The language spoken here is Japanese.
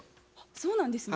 そうなんですね。